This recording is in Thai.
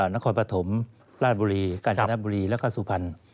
นครปฐมราชบุรีกาญจนบุรีแล้วก็สุพรรณ